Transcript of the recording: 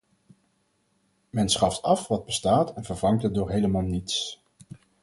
Men schaft af wat bestaat en vervangt het door helemaal niets.